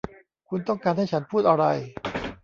คุณต้องการให้ฉันพูดอะไร ?